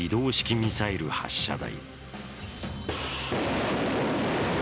ミサイル発射台。